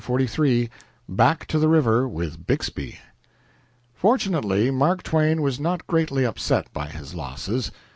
XLIII BACK TO THE RIVER, WITH BIXBY Fortunately, Mark Twain was not greatly upset by his losses.